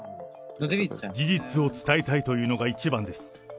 事実を伝えたいというのが一番です。